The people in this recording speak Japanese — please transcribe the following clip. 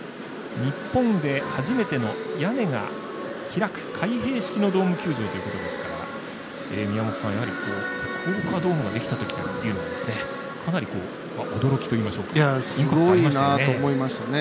日本で初めての屋根が開く開閉式屋根のドーム球場ということですから宮本さん、やはり福岡ドームができたときというのはかなり驚きといいましょうかインパクトありましたよね。